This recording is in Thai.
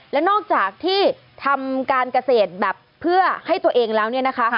และนอกจากที่ทำการเกษตรแบบเพื่อให้ตัวเองแล้วเนี่ยนะคะ